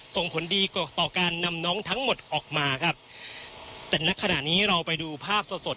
ส่งผลดีกว่าต่อการนำน้องทั้งหมดออกมาครับแต่ณขณะนี้เราไปดูภาพสดสด